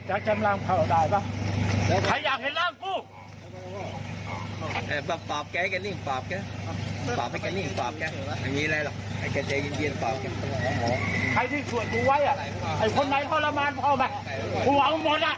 ไอ้คนไหนทรมานพ่อแบบหัวหมดอ่ะ